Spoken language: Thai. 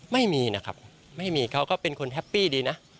ไม่มีนะครับไม่มีเขาก็เป็นคนแฮปปี้ดีนะ